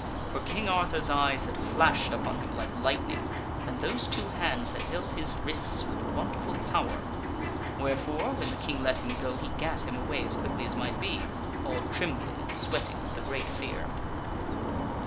For King Arthur's eyes had flashed upon him like lightning, and those two hands had held his wrists with wonderful power. Wherefore, when the King let him go he gat him away as quickly as might be, all trembling and sweating with a great fear.